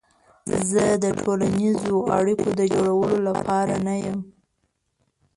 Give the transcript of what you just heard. زه د ټولنیزو اړیکو د جوړولو لپاره نه یم.